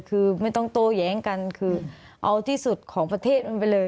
คือไม่ต้องโต้แย้งกันคือเอาที่สุดของประเทศมันไปเลย